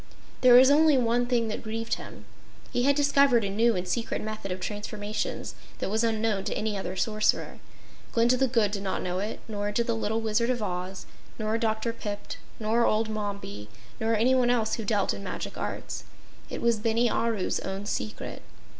There was only one thing that grieved him. He had discovered a new and secret method of transformations that was unknown to any other Sorcerer. Glinda the Good did not know it, nor did the little Wizard of Oz, nor Dr. Pipt nor old Mombi, nor anyone else who dealt in magic arts. It was Bini Aru's own secret.